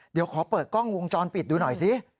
เดี๋ยวขอเปิดกล้องวงจรปิดดูหน่อยสิ